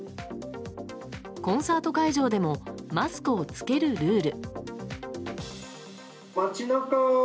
コンサート会場でもマスクを着けるルール。